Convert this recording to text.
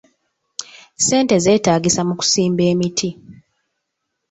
Ssente zeetaagisa mu kusimba emiti.